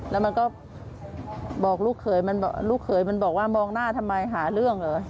แล้วมันก็บอกลูกเขยมันบอกว่ามองหน้าทำไมหาเรื่องเหรอ